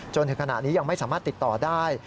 จนถึงขณะนี้ยังไม่สามารถติดต่อได้